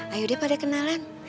ayodeh pada kenalan